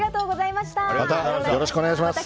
またよろしくお願いします。